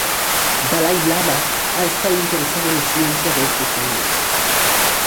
Dalai Lama ha estado interesado en la ciencia desde su niñez.